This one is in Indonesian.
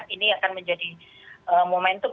ini akan menjadi momentum